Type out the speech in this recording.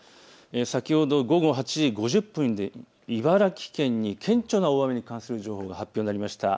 先ほど午後８時５０分に茨城県に顕著な大雨に関する情報が発表になりました。